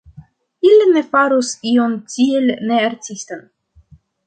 Ili ne farus ion tiel ne-artistan.